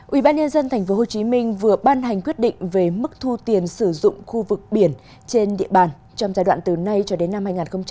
ubnd tp hcm vừa ban hành quyết định về mức thu tiền sử dụng khu vực biển trên địa bàn trong giai đoạn từ nay cho đến năm hai nghìn hai mươi